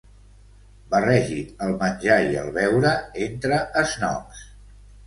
Barregi el menjar i el beure entre esnobs.